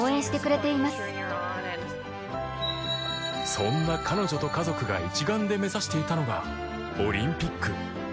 そんな彼女と家族が一丸で目指していたのがオリンピック。